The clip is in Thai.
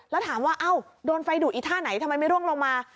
แล้วถามว่าเอ้าโดนไฟดูดอีท่าไหนทำไมไม่ร่วงลงมา